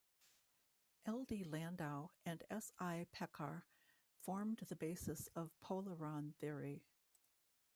L. D. Landau and S. I. Pekar formed the basis of polaron theory.